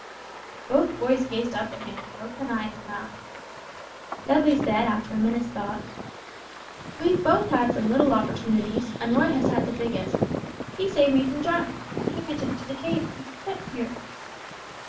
Both boys gazed up at him with open eyes and mouths. Dudley said after a minute's thought: "We've both had some little opportunities, and Roy has had the biggest. He saved me from drowning, and he went into the cave to fetch you!"